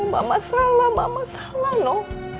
mama salah mama salah no